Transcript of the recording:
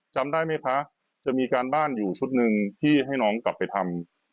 จำได้ไหมคะจะมีการบ้านอยู่ชุดหนึ่งที่ให้น้องกลับไปทำ